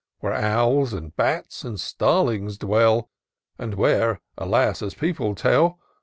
Where owls, and bats, and starlings dwell,— And where, alas ! as people tell.